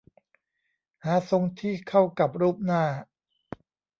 หาทรงที่เข้ากับรูปหน้า